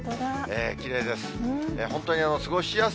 きれいです。